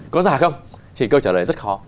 câu trả lời rất khó